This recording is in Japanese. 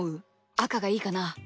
あかがいいかな？